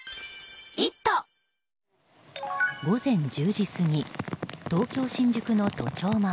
午前１０時過ぎ東京・新宿の都庁前。